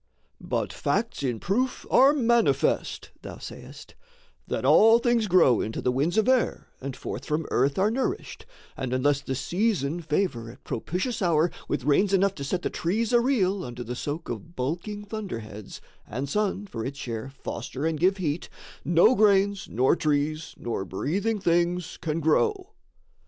"But facts in proof are manifest," thou sayest, "That all things grow into the winds of air And forth from earth are nourished, and unless The season favour at propitious hour With rains enough to set the trees a reel Under the soak of bulking thunderheads, And sun, for its share, foster and give heat, No grains, nor trees, nor breathing things can grow."